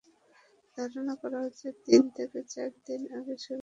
ধারণা করা হচ্ছে, তিন থেকে চার দিন আগে সোহেলকে হত্যা করা হয়।